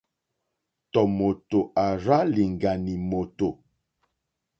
Tɔ̀ mòtò àrzá lìɡànì mòtò.